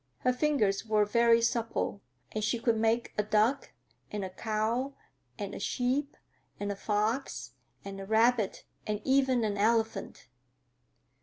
Her fingers were very supple, and she could make a duck and a cow and a sheep and a fox and a rabbit and even an elephant.